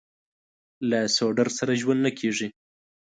له سوډرسره ژوند نه کېږي.